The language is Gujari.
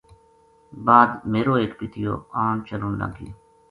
بعد میرو ایک پِتیو آن چلن لگ گیو